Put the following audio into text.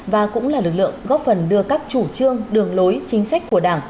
và cũng là lực lượng góp phần đưa các chủ trương đường lối chính sách của đảng